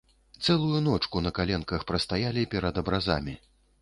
Цэлую ночку на каленках прастаялі перад абразамі.